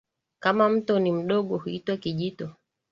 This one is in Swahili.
Kama mto ni mdogo huitwa kijito